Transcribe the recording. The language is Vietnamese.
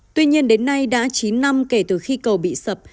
tuy nhiên đến nay đã chín năm kể từ khi cầu bị sập